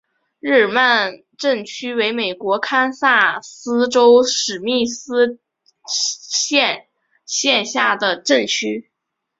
日耳曼镇区为美国堪萨斯州史密斯县辖下的镇区。